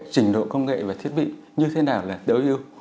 trình độ công nghệ và thiết bị như thế nào là đỡ ưu